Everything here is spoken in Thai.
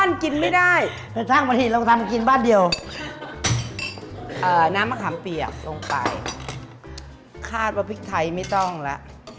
แล้วปีใหม่ไปเที่ยวไหนกับคุณอ่ะ